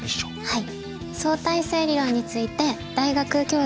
はい。